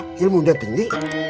kusoy kenapa ilmu dia tinggi